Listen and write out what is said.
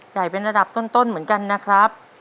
ใหญ่เป็นระดับต้นเหมือนกันนะครับ